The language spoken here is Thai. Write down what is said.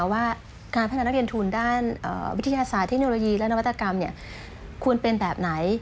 ว่าการพนักนักเรียนทุนด้านวิทยาศาสตร์เทคโนโลยีและนวัตกรรมควรเป็นแบบไหน